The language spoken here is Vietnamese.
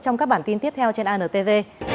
trong các bản tin tiếp theo trên antv